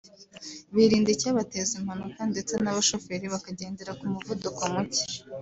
birinda icyabateza impanuka ndetse n’abashoferi bakagendera ku muvuduko muke